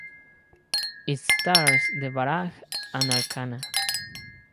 It stars Devaraj and Archana.